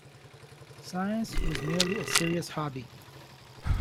Science was merely a serious hobby.